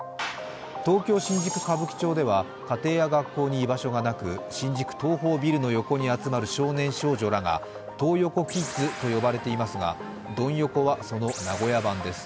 東京・新宿歌舞伎町では家庭や学校に居場所がなく、新宿東宝ビルの横に集まる少年少女らがトー横キッズと呼ばれていますがドン横はその名古屋版です。